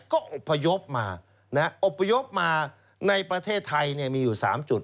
ก็อบพยพมาในประเทศไทยมีอยู่๓จุด